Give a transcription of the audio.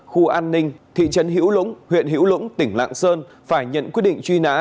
khu an ninh thị trấn hữu lũng huyện hữu lũng tỉnh lạng sơn phải nhận quyết định truy nã